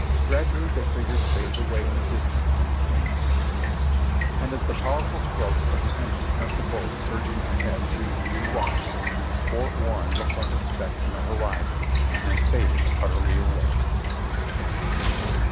Grad ually their figures faded away in the distance and became invisible ; and as the powerful strokes of the engine sent the boat surging ahead through the blue waters. Fort Warren looked like a speck in the horizon and then faded utterly away.